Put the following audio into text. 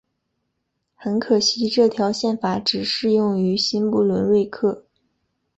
很可惜这条宪法只适用于新不伦瑞克。